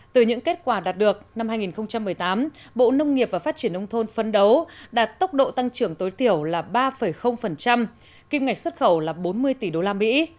từ những kết quả đạt được năm hai nghìn một mươi tám bộ nông nghiệp và phát triển nông thôn phấn đấu đạt tốc độ tăng trưởng tối thiểu là ba kim ngạch xuất khẩu là bốn mươi tỷ đô la mỹ